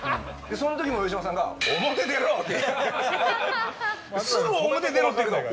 その時の上島さんが表でろ！って。